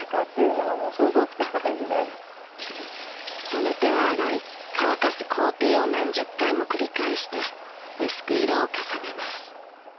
染めては洗い乾かす工程を何十回も繰り返して薄く色を重ねます。